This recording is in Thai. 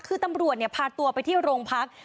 คือตำรวจพาตัวไปที่โรงพัก